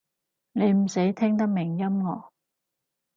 你唔使聽得明音樂